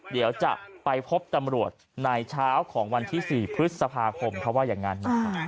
เดี๋ยวจะไปพบตำรวจในเช้าของวันที่๔พฤษภาคมเขาว่าอย่างนั้น